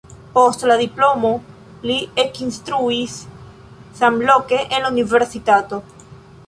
Post la diplomo li ekinstruis samloke en la universitato.